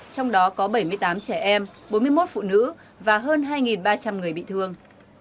trong đó có bảy mươi tám trẻ em bốn mươi một phụ nữ và hơn hai ba trăm linh người bị thương